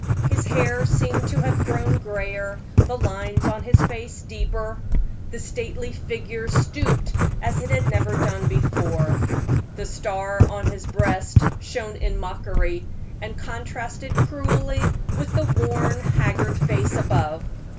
His hair seemed to have grown grayer, the lines on his face deeper; the stately figure stooped as it had never done before; the star on his breast shone in mockery, and contrasted cruelly with the worn, haggard face above.